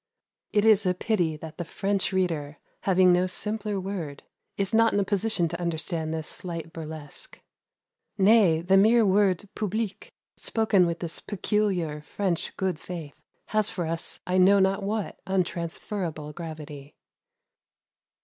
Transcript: It is a pity that the French reader, having no simpler word, is not in a position to understand the slight burlesque. Nay, the mere word "public," spoken with this peculiar French good faith, has for us I know not what untransferable gravity.